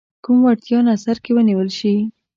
کوم وړتیا نظر کې ونیول شي.